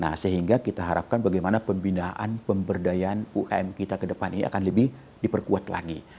nah sehingga kita harapkan bagaimana pembinaan pemberdayaan umkm kita ke depan ini akan lebih diperkuat lagi